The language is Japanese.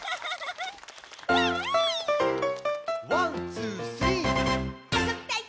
「ワンツースリー」「あそびたい！